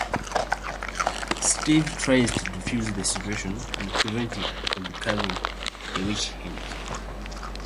Steve tries to defuse the situation and prevent it from becoming a witch-hunt.